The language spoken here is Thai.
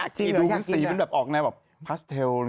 ดูมีคลิปสีออกแบบพาชเทล